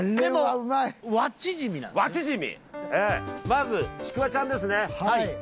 まずちくわちゃんですね。